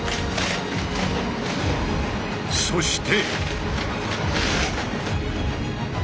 そして！